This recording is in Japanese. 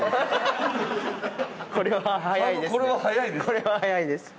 これは速いですね。